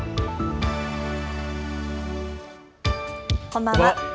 こんばんは。